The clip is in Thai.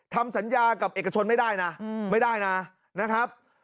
ทำสัญญากับเอกชนไม่ได้นะไม่ได้นะนะครับ